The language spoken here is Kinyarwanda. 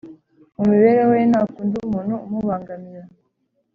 mu mibereho ye ntakunda umuntu umubangamira